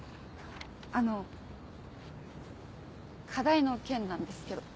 あのう課題の件なんですけど。